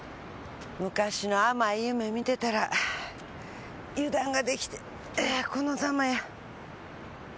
昔の甘い夢見てたら油断ができてこのザマや。